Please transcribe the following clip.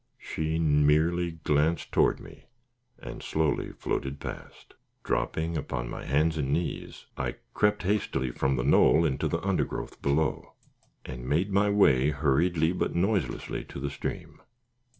She merely glanced toward me, and slowly floated past. Dropping upon my hands and knees, I crept hastily from the knoll into the undergrowth below, and made my way hurriedly but noiselessly to the stream.